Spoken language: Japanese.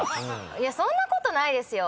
そんなことないですよ。